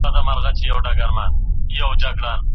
د هېواد نوم د زعفرانو له امله روښانه شوی دی.